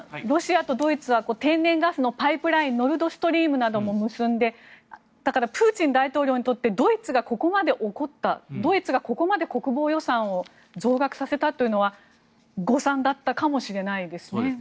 ロシアとドイツは天然ガスのパイプラインノルド・ストリームなども結んで、プーチン大統領にとってドイツがここまで怒ったドイツがここまで国防予算を増額させたのは誤算だったかもしれないですね。